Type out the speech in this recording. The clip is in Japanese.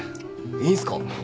いいんすか？